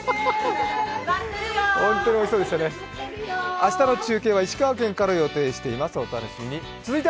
明日の中継は石川県から予定しております。